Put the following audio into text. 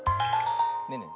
ねえねえ